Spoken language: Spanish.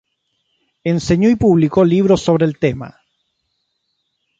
Enseñó y publicó libros sobre el tema.